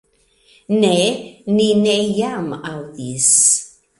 Ne, ni ne jam aŭdis